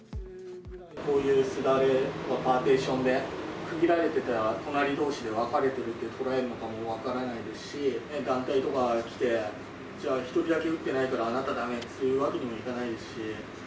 こういうすだれのパーティションで、区切られていたら、隣どうしで分かれてると捉えるのかも分からないし、団体とかが来て、じゃあ、１人だけ打ってないからあなただめって、そういうわけにもいかないですし。